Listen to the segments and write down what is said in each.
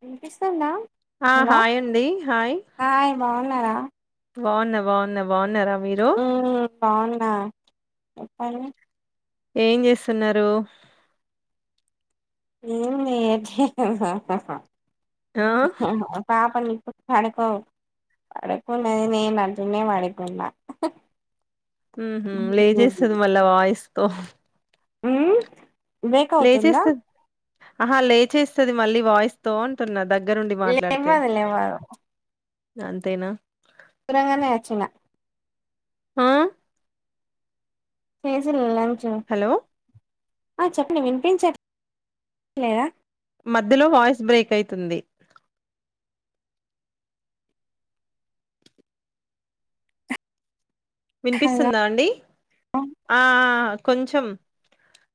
విన్పిస్తుందా ఆ హాయ్ అండి హాయ్ హాయ్ బాగున్నారా బాగున్న బాగున్న బాగున్నార మీరు బావున్నా చెప్పడి ఏం చేస్తున్నారు ఇ ఆ! పాపడి పడుకో పడుకున్నది నేను అంటనే పడుకున్నా ఉ లే చేేస్తుది మళ్ళా వాయిస్తోో అ లేచేస్తుది ఆహా లేచేస్తుది మళ్ళీ వాయిస్ తో అంటున్న దగ్గ దగ్గరుండి మాట్లాడితే లేవ్వదు లేవ్వదు అంతేనా తరంగనేేచిన ఆ చేజల హలో ఆ చెప్పం వినిపించట్లేదా మధ్యలో వాయిస్ బ్రేక్ అవుతుంది హలో వినిపిస్తుందా అండి ఆ కొంచెం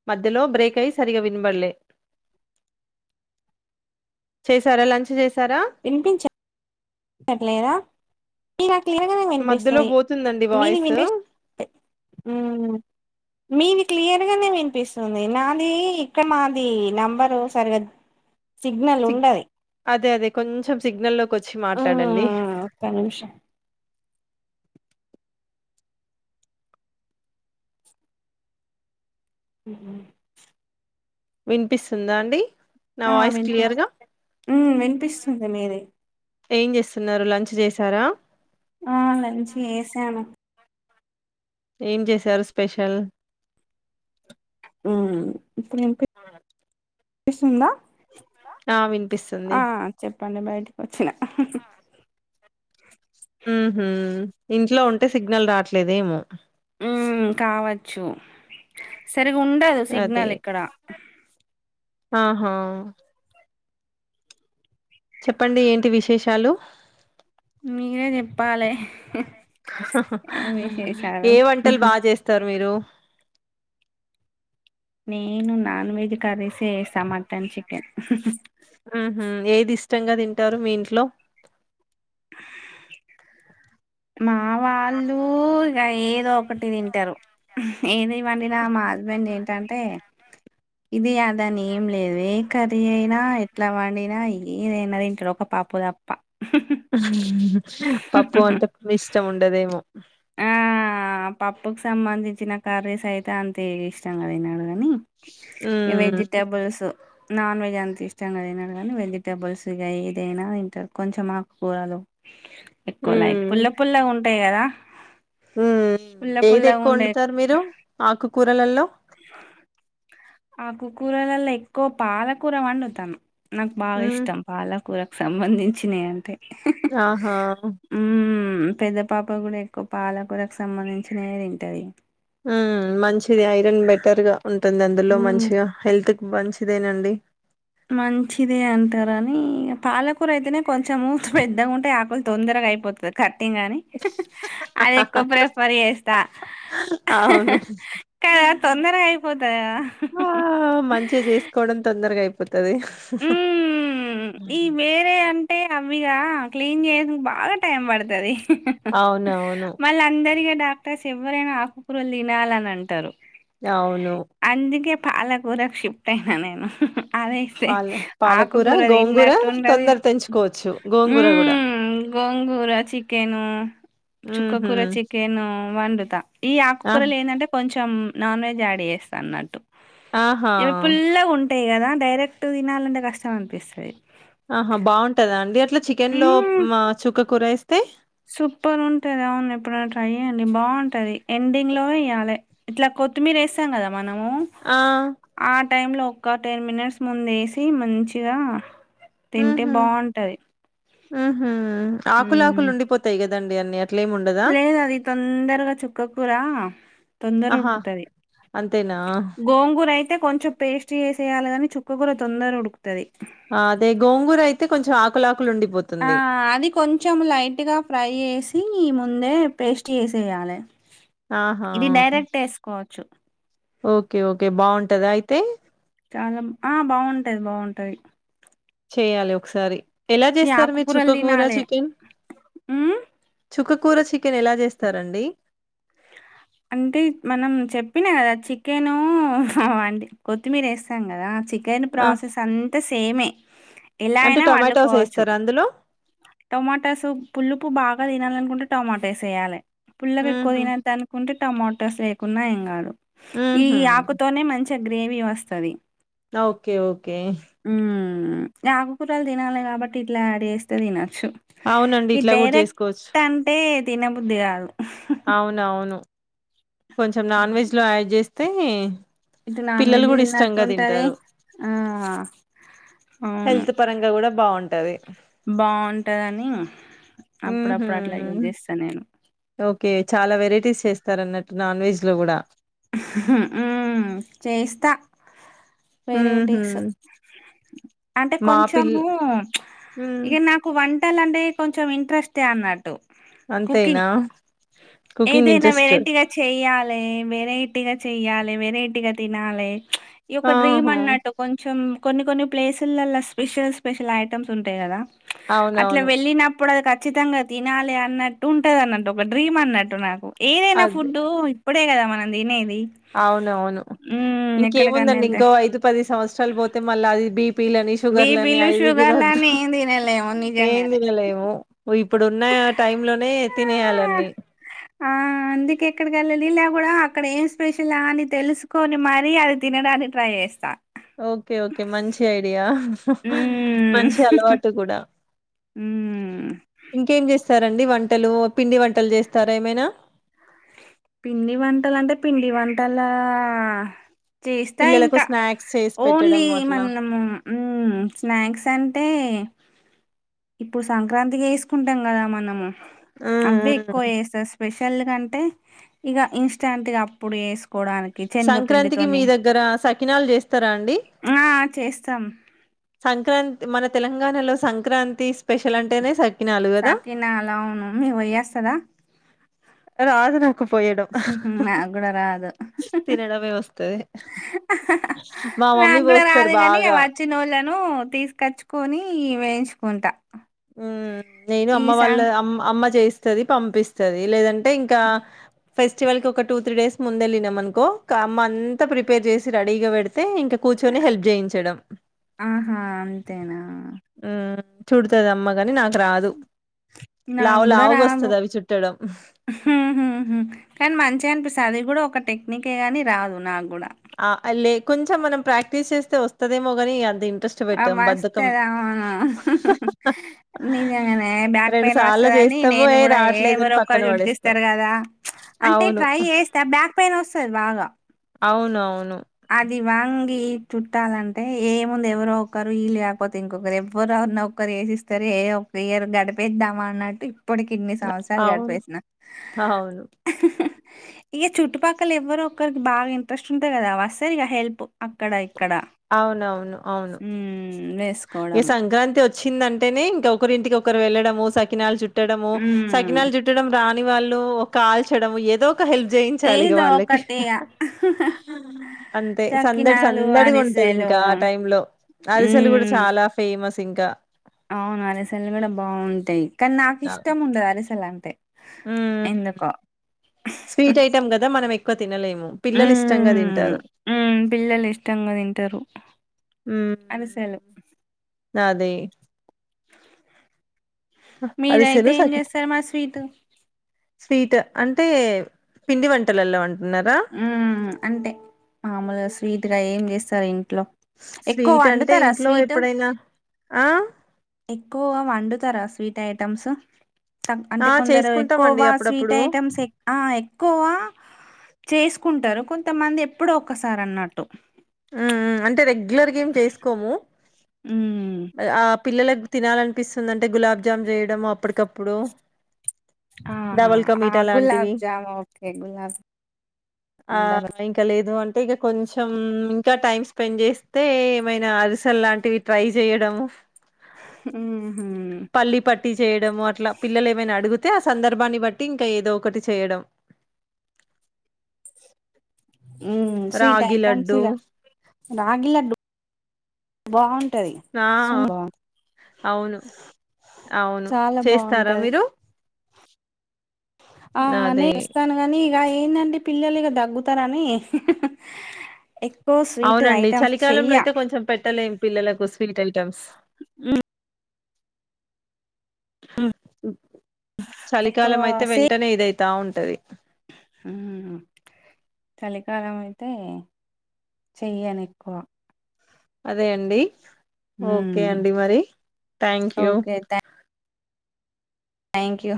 మధ్యలో బ్రేక్ అయి సరిగా వినబడలే చేసారా లంచ్ చేస వినిపించట్లేదా తిల్లగానే మధ్యలో వినిపిస్తుంది బోతుందండి మీది వాయిసు. వినిపిస్తు మీది క్లియర్గానే వినిపిస్తుంది నాది ఇక్కడ మాది నెంబరు సరిగా సిగ్నల్ సిగ్ ఉండది అదే అదే కొంచెం సిగ్నల్ లోకి వచ్చి మాట్లాడండి మ్మ్ ఒక్క నిమిషం వినిపిస్తుందా అండి నా ఆ వాయిస్ వినిపి క్లియర్ గా వినిపిస్తుంది మీది ఏం చేస్తున్నారు లంచ్ చేసారా ఆ లంచ్ వేసను ఏం చేశారు స్పెషల్ ఫసుంంద ఆ వినిపిస్తుంది పండ బయటికి వచ్చిన ఉహ ఇంట్లో ఉంటే సిగ్నల్ రాట్లేదేమో కావచ్చు సరి్ ఉండదు అదే సిగ్నల్ ఇక్కడ ఆహా చెప్పండి ఏంటి విశేషాలు మీరే చెప్పాలి ఏ వంటలు బాగా చేస్తారు మీరు నేను నాన్ వెజ్ కర్రీస వేస్తా మటన్ చికెన్ ఆహ ఏది ఇష్టంగా తింటారు మీ ఇంట్లో మా వాళ్ళు ఇక ఏదో ఒకటి తింటారు ఏది ఇ్వండి నా మా హస్బెండ్ ఏంటంటే ఇది అదా అని ఏం లేదు ఏ కర్రీ అయినా ఎట్లా వాండినా ఏదైనా ఇంటలో ఒక పప్పు దప్ప పప్పు అంటే ఇష్టం ఉండదేమో ఆ పప్పుకు సంబంధించిన కర్రీస్ అయితే అంతే ఇష్టం కదన్నాడుగా అని మ్మ్ వెజిటేబల్స్ నన్ వెజ్ ఇది అంత ఇష్టంగా తినడు కానీ వెజిటబుల్స్ ఇది ఏదైనా తింటారు కొంచెం ఆకుకూరలు ఎక్కువ లైక్ పుల్ల పుల్లగా ఉంటాయి కదా ఉమ్ పుల్ల ఏది ఎక్కువ పుల్లగుండే వండుతారు మీరు ఆకుకూరలలో ఆకుకూరలలో ఎక్కువ పాలకూర వండుతాను నాకు బాగా మ్మ్ ఇష్టం పాలకూర సంబంధించినవి అంటే ఆహా మ్మ్ పెద్ద పాప కూడా ఎక్కువ పాలకూరకు సంబంధించినవే తింటాది ఉమ్ మంచిది ఐరన్ బెటర్ గా ఉంటుంది అందులో మంచిగా హెల్త్ హెల్త్కు మంచిదేనండి మంచిదే అంటార అని పాలకూర అయితేనే కొంచెం పెద్దగా ఉంటే ఆకులు తొందర గయిపోతుంది కట్టింగ్ అని అది ఎక్కువ ప్రిఫర్ చేస్తా హా హా అవును కదా తొందరగా అయిపోతాది కద ఆ మంచిగా చేసుకోవడం తొందరగా అయిపోతుది హా హా ఉమ్ ఈ వేరే అంటే అవిగా క్లీన్ చేయడానికి బాగా టైం పడుతది హు హు అవునవును మళ్ళీ అందరిక డాక్టర్స్ ఎవ్వరైనా ఆకుకూరలు తినాలని అంటారు అవును అందుకే పాలకూరకు షిఫ్ట్ అయినా నేను అదైతే పాల పాలకూర ఆకుకూర తిన్ గోంగూర నట్ ఉంటది తొందర తెంచుకోవచ్చు గోంగూర కూడా ఉమ్ గోంగూర చిక్ చికెను చుక్క ఉహు కూూర చికెను వండుత ఈ ఆ ఆకుకూరలు ఏంటంటే కొంచెం కొంచెం నాన్ వెజ్ యాడ్ చేస్తా అన్నట్టు ఆహా అటె కదా డైరెక్ట్ తినాలంటే కష్టం అనిపిస్తది ఆహా బాగుంటదా అండి అట్లా చికెన్ లో మ్మ్ మా చుక్క కూరేస్తే సూపర్ ఉంటది అవును ఎప్పుడైన ట్రై చేయండి బాగుంటది ఎండింగ్ లో ఇయ్యాలి ఇట్లా కొత్తిమీర వేసాం కదా మనము ఆ ఆట్ టైమ్ లో ఒక టెన్ మినిట్స్ ముందు వేసి మంచిగా తింటే ఉహు బాగుంటది ఉహు ఆకులు ఆకులు ఉండిపోతాయి కదండి అన్ని అట్లేమి ఉండదా లేదు అది తొందరగా చుక్కకూర రా తొందర ఆహా ఉడ్కుతది అంతేనా కొంచెం పేస్ట్ చేసేయాలిగాని చుక్క కూూర తొందర ఉడుకు అదే గోంగూర అయితే కొంచెం ఆకులకులు ఆ అది కొంచెం లైట్ గా ఫ్రై చేేసి ఈ మొత్ ముందే పేస్ట్ చేసేయాలే ఆహా ఇది డైరెక్ట్ వేసుకోవచ్చు ఓకే ఓకే బాగుంటదా అయితే చానం ఆ బాగుంటాది బాగుంటాది చేయాలి ఒకసారి ఎలా ఈ చేస్తారు మీరు ఆకుకూరలు చుక్క కూర తినాలే. చికెన్ హ్మ్. చుక్ కూర చికెన్ ఎలా చేస్తారండి అంటే మనం చెప్పినా కదా చికెను హా అంట్ కొత్తిమీర వేస్తాం కదా చిక్ కేన్ ఆ ప్రాసెస్ అంతా సేమే ఎలా అంటే అయినా టొమాటోస్ వండుకోవచ్చు ఏస్తారా అందులో? టొమాటో సూప్ పుల్లుపు బాగా తినాలని అనుకుంటే టొమాటోస్ వేయాలి పుల్లగా ఎక్కువ హుహు. తినదనుకుంటే టమాటోస్ యేయకున ఏం కాదు ఈ హుహు. ఆకుతోనే మంచిగ గ్రేవీ వస్తది ఓకే ఓకే ఉమ్ ఆకుకూరలు తినాలి కాబట్టి ఇట్లా యాడ్ చేస్తే తినాల్ చ్చు అవునండి. ఈ ఇట్లా గూడా డైరెక్ట్ జేసుకోవచ్చు. అంటే తినబుద్ధి కాదు అవునవును. కొంచెం నాన్ హ్మ్. వెజ్ లో యాడ్ చేస్తే ఇటు నాన్ వెజ్ తిన్నట్టు ఉంటది ఆ అవును హెల్త్ పరంగా గూడా బావుంటది. బాంటదని హుహు. అప్పుడప్పుడు అట్లా యూ చేస్తా నేను ఓకే చాలా వెరైటీస్ చేస్తారు అన్నట్టు నాన్ వెజ్ లో కూడా చేస్తా వెరైటీ హుహు. అంటే మా పిల్ కొంచము హ్మ్. ఇక నాకు వన్ వంట కొంచెం ఇంట్రెస్టే అన్నట్టు అంతేనా? కుకింగ్ కుకింగ్ ఏదైనా ఇంట్రెస్ట్. వెరైటీగా చేయాలి గా చెయాలి వెరైటీగా తినాలి ఈ యొక్క డ్రీమ్ ఆహా! అన్నట్టు కొంచెం కొన్ని కొన్ని ప్లేసులలో స్పెషల్ స్పెషల్ ఐటమ్స్ ఉంటాయి కదా అట్లా అవునవును. వెళ్ళిన ఇప్పుడు అది ఖచ్చితంగా తినాలి అన్నట్టు ఉంటది అన్నట్టు ఒక డ్రీమ్ అన్నట్టు నాకు ఏదైనా ఫుడ్డు ఇప్పుడే కదా మనం తినేది అవున అవును హ్మ్. ఎక్కడికన్నా ఇంకేముందండి ఎళ్తే ఇంకో ఐదు పది సంవత్సరాలు పోతే మళ్ళీ అది బిపి షుగర్ని బీపీలు, ఐదు తినద్దా షుగర్‌లని ఏం తినలేము ఏ నిజంగానే. తినలే ఇప్పుడు ఉన్న టై లోనే తినేయాలన్నీ లని లేక కూడాడా అక్కడ ఏం స్పెషల్ అని తెలుసుకొని మరి అది తినడానికి ట్రై చేస్తా ఓకే ఓకే మంచి ఐడియా మ్మ్ మంచి అలవాటు కూడా మ్మ్ ఇంకేం చేస్త సరే అండి వంటలు పిండి వంటలు చేస్తారా ఏమైనా పిండి వంటలు అంటే పిండి వంటల చేస్తా పిల్లలకు ఇంకా స్నాక్స్ చేసి పెట్టడం ఓన్లీ అట్లా మనము స్నాక్స్ అంటే ఇప్పుడు సంక్రాంతికి వేసుకుంటాం కదా మనము హ్మ్ అవే ఎక్కువ హ్మ్. వేస్తారు స్పెషల్ చెల్ కంటే ఇక ఇన్స్టాంట్గా అప్పుడు వేసుకు సంక్రాంతికి మీ దగ్గర సకినాలు చేస్తారా అండి ఆ చేస్తాం సంక్రాంతి మన తెలంగాణలో సంక్రాంతి స్పెషల్ అంటేనే సకినాలు కదా సకినా అలా అవును మీకు వయ్యేస్తదా రాదు నాకు పోయడం నాకు కూడా రాదు తినడమే వస్తది మా మమ్మీ నాకు కూడా పోస్తారు రాదు కాని బాగా వచ్చినోళ్ళను తీసుకచ్చుకొని వేయించుకుంటా నేను ఈ అమ్మ వాళ్ళ సాంగ్ అమ్ అమ్మ చేయిస్తది పంపిస్తుది లేదంటే అంటే ఇంకా ఫెస్టివల్ కి ఒక టూ త్రీ డేస్ ముందళ్ళి అనుకో అమ్మ అంతా ప్రిపేర్ చేసి రెడీగా పెడత స్తే ఇంక కూర్చొని హెల్ప్ చేయించడం ఆహా అంతేనా చూడుతుంది అమ్మ కాని నాకు రాదు లావు లావుగా వస్తుంది అవి చుట్టడం హ కానీ మంచిగా అనిపిస్తు అది కూడా ఒక టెక్నికే గాని రాదు నాకు కూడా ఆ లే కొంచెం మనం ప్రాక్టీస్ చేస్తే వస్తదేమో కాని దీ ఆ మస్త అద అవును నిజనే బ్యాక్ పైయిన్ వస్త సార్లు కానీ చేస్తాము. నేను ఏహ్! కూడా రావట్లేదని పక్కన ఎవరుొక్కరు పడేస్తాం. చుర్తిస్తారు కదా అంటే అవును. ట్రై చేస్తే బ్యాక్ పెయిన్ వస్తుంది బాగా అవున అవును ఇది వాంగి చుట్టాలంటే ఏముంది ఎవరు ఒకరు వళ్ళ లేకపోతే ఇంకొరు ఎవరు ఎవరిన ఒకరు వేసిస్తారు ఏ ఒ ఇయరు గడిపేద్దామా అన్నట్టు ఇప్పుడు కిన్ని సంవత్సరాలు అవును. గడిపేసిన అవును. ఇక చుట్టుపక్కల ఎవరు ఒకక్కరికి బాగా ఇంట్రెస్ట్ ఉంటయి కదా వస్తరి ఇక హెల్ప్ అక్కడ ఇక్కడ అవునవును అవును హ్మ్ ఏ వేసుకోవడము సంక్రాంతి వచ్చిందంటే అ ఇంకొరి ఇంటికి ఒకరు వెళ్ళడము సకినాలు చుట్టడము హ్మ్ సకినాలు చుట్టడం రా కాని వాళ్ళు ఒక కాల్చడం ఏదో హెల్ప్ చేయించాలి ఇ ఏదో వాళ్ళకి ఒకటి ఇగ అంతే సందడి చకినాలు సందడిగా ఉంట అరిసెలు ఇంకా ఆ టై లో అరిసలు కూడా హ్మ్ చాలా ఫేమస్ ఇంకా అవును అలసెల్లు కూడా బాగుంటాయి కానీ నాకు ఇష్టం ఉండదు అలసెల్ అంటే ఆ ఎందుకో స్వీట్ ఐటెమ్ కదా మనం ఎ ఉ పిల్లలు ఇష్టంగా తింటారు అది సలు నాదే అరిసెలు మీరైతే ఏం సకి చేస్తారు మా స్వీట్ స్వీట్ అంటే పిండి వంటలల్లో అంట ఉ అంటే మామూలుగా స్వీట్ గా ఏం చేస్తారు ఇంట్లో ఎక్కువ స్వీట్ అంటే వండుతారా ఇంట్లో ఎప్పుడైనా ఆ ఎక్కువగా వండుతారా స్వీట్ ఐటెమ్స్ ఆ అంటే కొందరు చేసుకుంటామండి ఎక్కువవా స్వీట్ అప్పుడప్పుడు. ఐటెమ్స్ ఎక్కువా చేసుకుంటారు కొంతమంది ఎప్పుడు ఒకసారి అన్నట్టు అంటే రెగ్యులర్గా ఏమి చేసుకోము హ్మ్. ఆ పిల్లల తినాలనిపిస్తుంది అంటే గులాబ్జామ్ చేయడం అప్పటికప్పుడు ఆహా డబల్ కా మీఠా లాంటివి. గులాబజామ ఓకే గులాబ ఆ ఇంకా లేదు అంటే ఇక కొంచెం ఇంకా టైమ్ స్పెండ్ చేస్తే ఏమైనా అరిసెల్ లాంటివి ట్రై చేయడంము ఉ పల్లి పట్టి చేయడము అట్లా పిల్లలు ఏమైనా అడుగుత అతే ఆ సందర్భాన్ని బట్టి ఇంకా ఏదో ఒకటి చేయడం ఉ స్వీట్ రాగి ఐటమ్స్ లడ్డు ఇరా రగి బాగుా రి ఆ సున్నావా అవును అవును చాలా చేస్తారా బాగుంటది మీరు ఆ నే అదే ఇస్తాను గాని ఇక ఏందండి పిల్లలు ఇక తగ్గుతారని అవునండి చలికాలంలో అయితే కొంచెం పెట్టలేం పిల్లలకు స్వీట్ ఐటెమ్స్ ఆ స ఎక్కువ చలికాలం అయితే వెంటనే ఇదైతా ఉంటది హ చలికాలం అయితే చెయను ఎక్కువ అదే అండి ఓకే అండి మరి thank you okay thank you